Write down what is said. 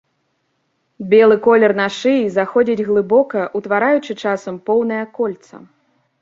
Белы колер на шыі заходзіць глыбока, утвараючы часам поўнае кольца.